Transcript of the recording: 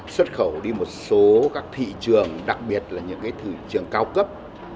xuất khẩu đi một số các thị trường đặc biệt là những thị trường cao cấp